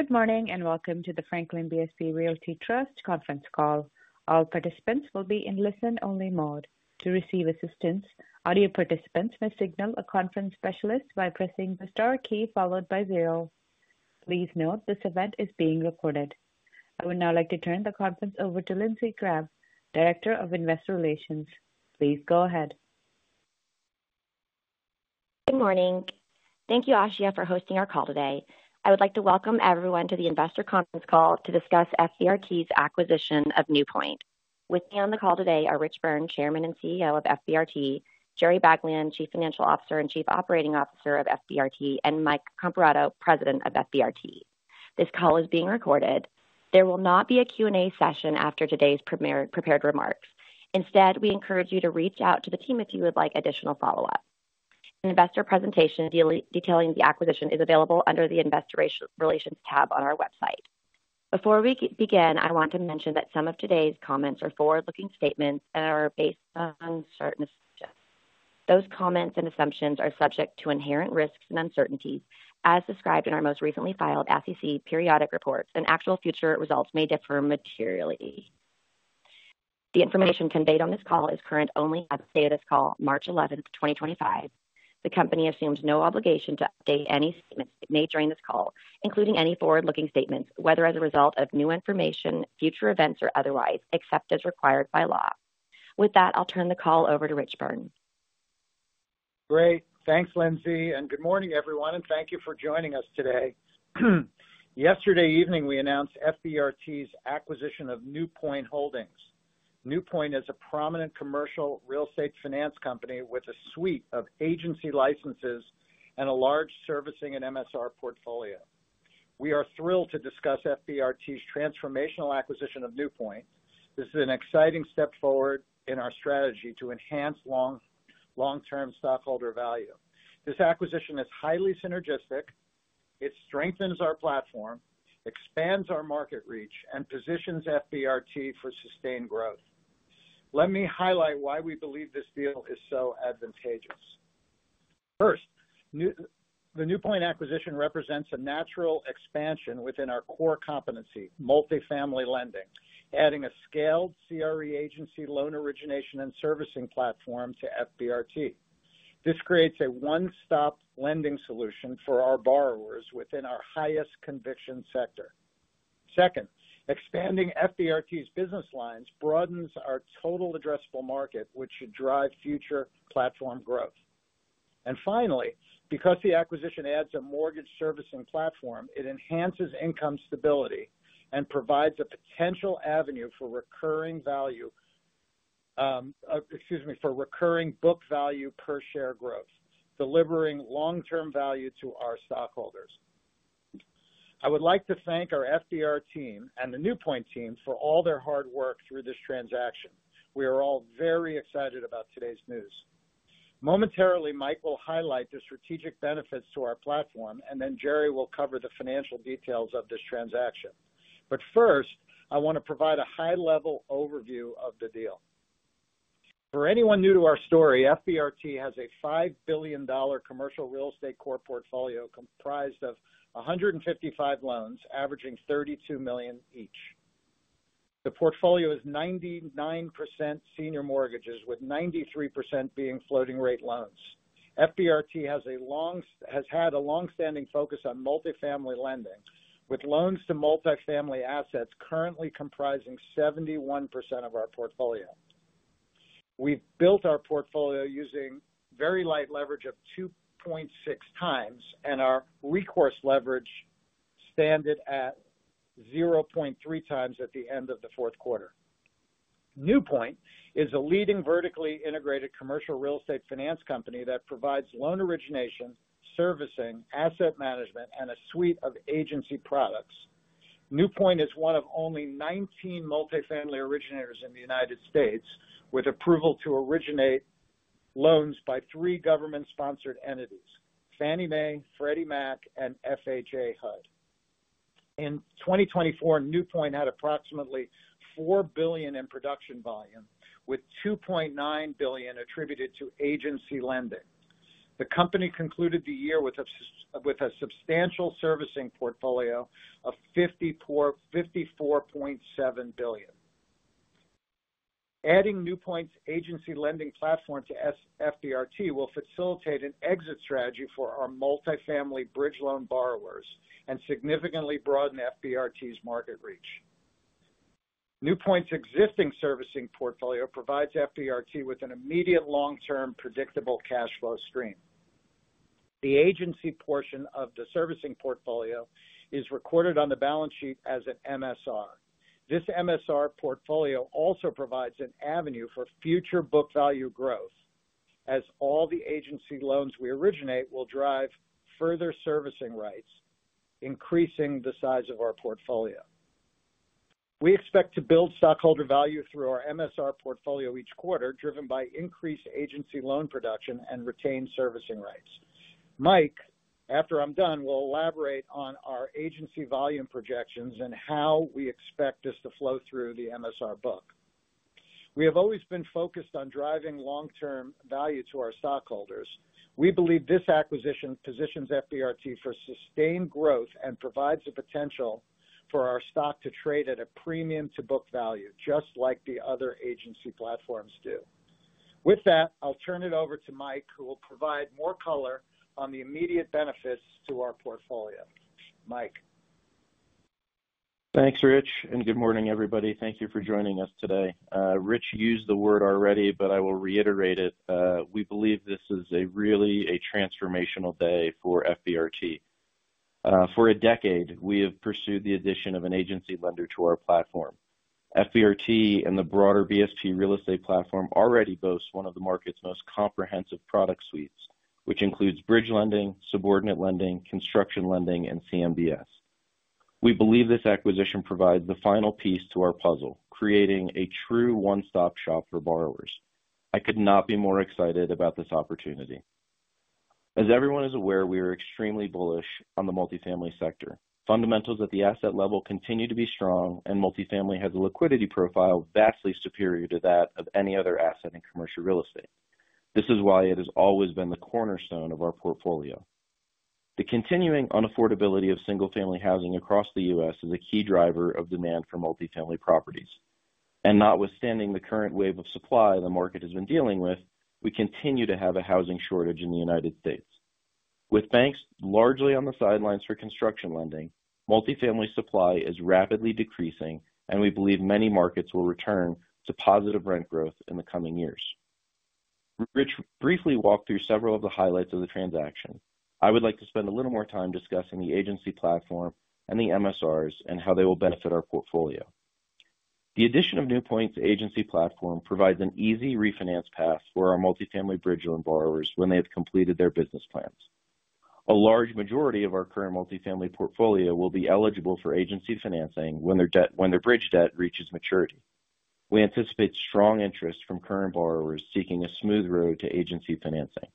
Good morning and welcome to the Franklin BSP Realty Trust conference call. All participants will be in listen-only mode. To receive assistance, audio participants may signal a conference specialist by pressing the star key followed by zero. Please note this event is being recorded. I would now like to turn the conference over to Lindsey Crabbe, Director of Investor Relations. Please go ahead. Good morning. Thank you, Ashia, for hosting our call today. I would like to welcome everyone to the investor conference call to discuss FBRT's acquisition of NewPoint. With me on the call today are Rich Byrne, Chairman and CEO of FBRT; Jerry Baglien, Chief Financial Officer and Chief Operating Officer of FBRT; and Mike Comparato, President of FBRT. This call is being recorded. There will not be a Q&A session after today's prepared remarks. Instead, we encourage you to reach out to the team if you would like additional follow-up. An investor presentation detailing the acquisition is available under the Investor Relations tab on our website. Before we begin, I want to mention that some of today's comments are forward-looking statements and are based on certain assumptions. Those comments and assumptions are subject to inherent risks and uncertainties, as described in our most recently filed SEC periodic reports. An actual future result may differ materially. The information conveyed on this call is current only as of the date of this call, March 11th, 2025. The company assumes no obligation to update any statements made during this call, including any forward-looking statements, whether as a result of new information, future events, or otherwise, except as required by law. With that, I'll turn the call over to Rich Byrne. Great. Thanks, Lindsey. Good morning, everyone, and thank you for joining us today. Yesterday evening, we announced FBRT's acquisition of NewPoint Holdings. NewPoint is a prominent commercial real estate finance company with a suite of agency licenses and a large servicing and MSR portfolio. We are thrilled to discuss FBRT's transformational acquisition of NewPoint. This is an exciting step forward in our strategy to enhance long-term stockholder value. This acquisition is highly synergistic. It strengthens our platform, expands our market reach, and positions FBRT for sustained growth. Let me highlight why we believe this deal is so advantageous. First, the NewPoint acquisition represents a natural expansion within our core competency, multifamily lending, adding a scaled CRE agency loan origination and servicing platform to FBRT. This creates a one-stop lending solution for our borrowers within our highest conviction sector. Second, expanding FBRT's business lines broadens our total addressable market, which should drive future platform growth. Finally, because the acquisition adds a mortgage servicing platform, it enhances income stability and provides a potential avenue for recurring book value per share growth, delivering long-term value to our stockholders. I would like to thank our FBRT team and the NewPoint team for all their hard work through this transaction. We are all very excited about today's news. Momentarily, Mike will highlight the strategic benefits to our platform, and Jerry will cover the financial details of this transaction. First, I want to provide a high-level overview of the deal. For anyone new to our story, FBRT has a $5 billion commercial real estate core portfolio comprised of 155 loans, averaging $32 million each. The portfolio is 99% senior mortgages, with 93% being floating-rate loans. FBRT has had a long-standing focus on multifamily lending, with loans to multifamily assets currently comprising 71% of our portfolio. We've built our portfolio using very light leverage of 2.6x, and our recourse leverage stands at 0.3x at the end of the fourth quarter. NewPoint is a leading vertically integrated commercial real estate finance company that provides loan origination, servicing, asset management, and a suite of agency products. NewPoint is one of only 19 multifamily originators in the United States, with approval to originate loans by three government-sponsored entities: Fannie Mae, Freddie Mac, and FHA/HUD. In 2024, NewPoint had approximately $4 billion in production volume, with $2.9 billion attributed to agency lending. The company concluded the year with a substantial servicing portfolio of $54.7 billion. Adding NewPoint's agency lending platform to FBRT will facilitate an exit strategy for our multifamily bridge loan borrowers and significantly broaden FBRT's market reach. NewPoint's existing servicing portfolio provides FBRT with an immediate long-term predictable cash flow stream. The agency portion of the servicing portfolio is recorded on the balance sheet as an MSR. This MSR portfolio also provides an avenue for future book value growth, as all the agency loans we originate will drive further servicing rights, increasing the size of our portfolio. We expect to build stockholder value through our MSR portfolio each quarter, driven by increased agency loan production and retained servicing rights. Mike, after I'm done, will elaborate on our agency volume projections and how we expect this to flow through the MSR book. We have always been focused on driving long-term value to our stockholders. We believe this acquisition positions FBRT for sustained growth and provides the potential for our stock to trade at a premium-to-book value, just like the other agency platforms do. With that, I'll turn it over to Mike, who will provide more color on the immediate benefits to our portfolio. Mike. Thanks, Rich. Good morning, everybody. Thank you for joining us today. Rich used the word already, but I will reiterate it. We believe this is really a transformational day for FBRT. For a decade, we have pursued the addition of an agency lender to our platform. FBRT and the broader BSP real estate platform already boast one of the market's most comprehensive product suites, which includes bridge lending, subordinate lending, construction lending, and CMBS. We believe this acquisition provides the final piece to our puzzle, creating a true one-stop shop for borrowers. I could not be more excited about this opportunity. As everyone is aware, we are extremely bullish on the multifamily sector. Fundamentals at the asset level continue to be strong, and multifamily has a liquidity profile vastly superior to that of any other asset in commercial real estate. This is why it has always been the cornerstone of our portfolio. The continuing unaffordability of single-family housing across the U.S. is a key driver of demand for multifamily properties. Notwithstanding the current wave of supply the market has been dealing with, we continue to have a housing shortage in the United States. With banks largely on the sidelines for construction lending, multifamily supply is rapidly decreasing, and we believe many markets will return to positive rent growth in the coming years. Rich briefly walked through several of the highlights of the transaction. I would like to spend a little more time discussing the agency platform and the MSRs and how they will benefit our portfolio. The addition of NewPoint's agency platform provides an easy refinance path for our multifamily bridge loan borrowers when they have completed their business plans. A large majority of our current multifamily portfolio will be eligible for agency financing when their bridge debt reaches maturity. We anticipate strong interest from current borrowers seeking a smooth road to agency financing.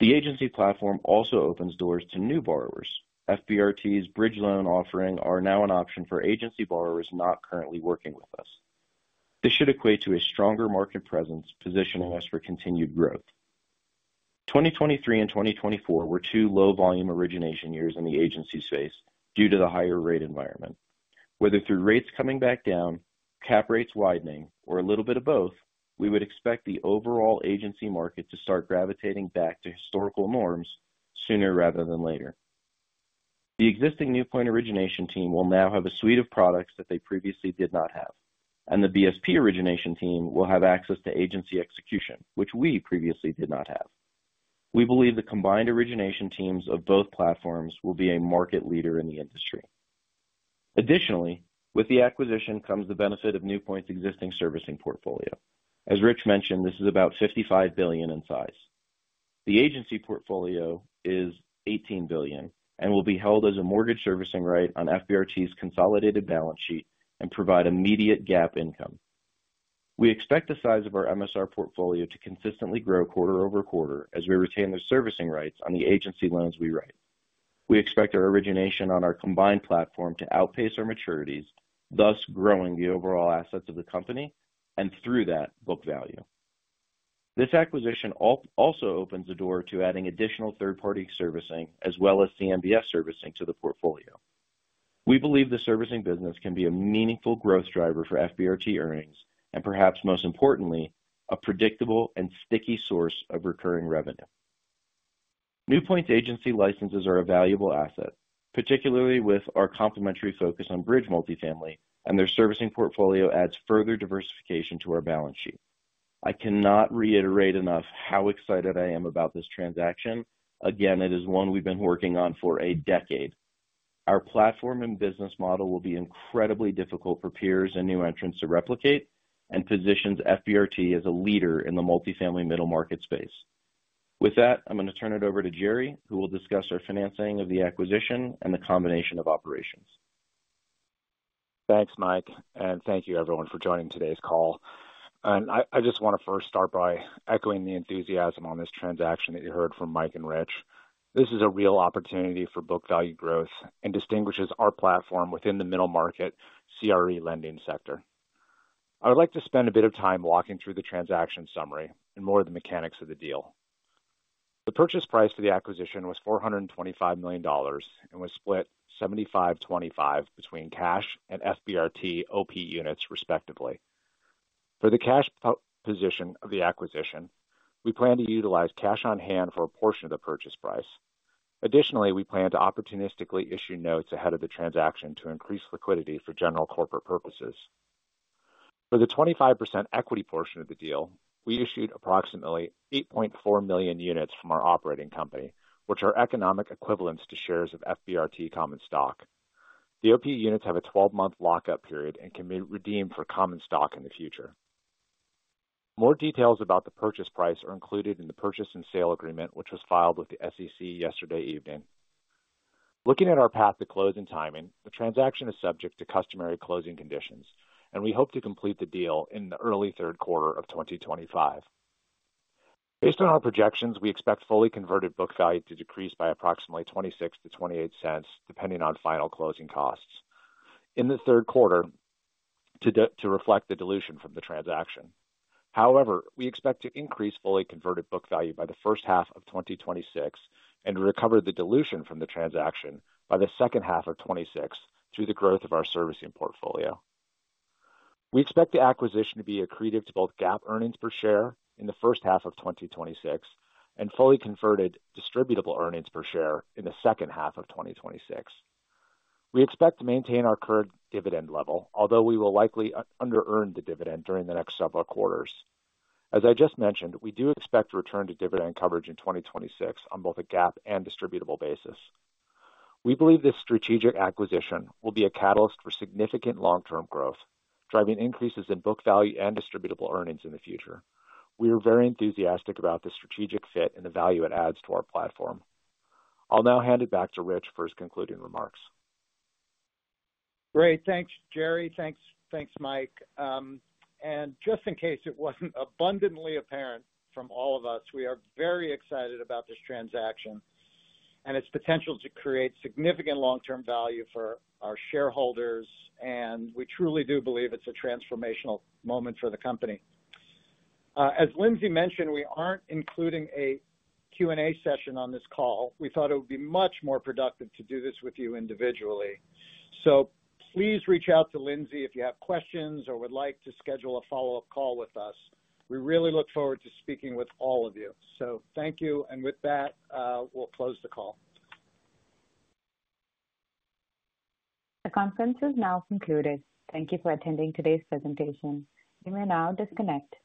The agency platform also opens doors to new borrowers. FBRT's bridge loan offering is now an option for agency borrowers not currently working with us. This should equate to a stronger market presence, positioning us for continued growth. 2023 and 2024 were two low-volume origination years in the agency space due to the higher rate environment. Whether through rates coming back down, cap rates widening, or a little bit of both, we would expect the overall agency market to start gravitating back to historical norms sooner rather than later. The existing NewPoint origination team will now have a suite of products that they previously did not have, and the BSP origination team will have access to agency execution, which we previously did not have. We believe the combined origination teams of both platforms will be a market leader in the industry. Additionally, with the acquisition comes the benefit of NewPoint's existing servicing portfolio. As Rich mentioned, this is about $55 billion in size. The agency portfolio is $18 billion and will be held as a mortgage servicing right on FBRT's consolidated balance sheet and provide immediate GAAP income. We expect the size of our MSR portfolio to consistently grow quarter over quarter as we retain the servicing rights on the agency loans we write. We expect our origination on our combined platform to outpace our maturities, thus growing the overall assets of the company and, through that, book value. This acquisition also opens the door to adding additional third-party servicing, as well as CMBS servicing, to the portfolio. We believe the servicing business can be a meaningful growth driver for FBRT earnings and, perhaps most importantly, a predictable and sticky source of recurring revenue. NewPoint's agency licenses are a valuable asset, particularly with our complementary focus on bridge multifamily, and their servicing portfolio adds further diversification to our balance sheet. I cannot reiterate enough how excited I am about this transaction. Again, it is one we've been working on for a decade. Our platform and business model will be incredibly difficult for peers and new entrants to replicate and positions FBRT as a leader in the multifamily middle market space. With that, I'm going to turn it over to Jerry, who will discuss our financing of the acquisition and the combination of operations. Thanks, Mike, and thank you, everyone, for joining today's call. I just want to first start by echoing the enthusiasm on this transaction that you heard from Mike and Rich. This is a real opportunity for book value growth and distinguishes our platform within the middle market CRE lending sector. I would like to spend a bit of time walking through the transaction summary and more of the mechanics of the deal. The purchase price for the acquisition was $425 million and was split 75/25 between cash and FBRT OP units, respectively. For the cash position of the acquisition, we plan to utilize cash on hand for a portion of the purchase price. Additionally, we plan to opportunistically issue notes ahead of the transaction to increase liquidity for general corporate purposes. For the 25% equity portion of the deal, we issued approximately 8.4 million units from our operating company, which are economic equivalents to shares of FBRT common stock. The OP units have a 12-month lockup period and can be redeemed for common stock in the future. More details about the purchase price are included in the Purchase and Sale Agreement, which was filed with the SEC yesterday evening. Looking at our path to close and timing, the transaction is subject to customary closing conditions, and we hope to complete the deal in the early third quarter of 2025. Based on our projections, we expect fully converted book value to decrease by approximately $0.26-$0.28, depending on final closing costs, in the third quarter to reflect the dilution from the transaction. However, we expect to increase fully converted book value by the first half of 2026 and recover the dilution from the transaction by the second half of 2026 through the growth of our servicing portfolio. We expect the acquisition to be accretive to both GAAP earnings per share in the first half of 2026 and fully converted distributable earnings per share in the second half of 2026. We expect to maintain our current dividend level, although we will likely under-earn the dividend during the next several quarters. As I just mentioned, we do expect return to dividend coverage in 2026 on both a GAAP and distributable basis. We believe this strategic acquisition will be a catalyst for significant long-term growth, driving increases in book value and distributable earnings in the future. We are very enthusiastic about the strategic fit and the value it adds to our platform. I'll now hand it back to Rich for his concluding remarks. Great. Thanks, Jerry. Thanks, Mike. Just in case it was not abundantly apparent from all of us, we are very excited about this transaction and its potential to create significant long-term value for our shareholders. We truly do believe it is a transformational moment for the company. As Lindsey mentioned, we are not including a Q&A session on this call. We thought it would be much more productive to do this with you individually. Please reach out to Lindsey if you have questions or would like to schedule a follow-up call with us. We really look forward to speaking with all of you. Thank you. With that, we will close the call. The conference is now concluded. Thank you for attending today's presentation. You may now disconnect.